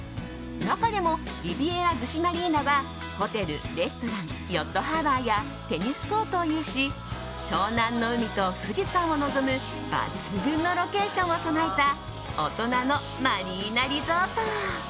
中でも、リビエラ逗子マリーナはホテル、レストランヨットハーバーやテニスコートを有し湘南の海と富士山を望む抜群のロケーションを備えた大人のマリーナリゾート。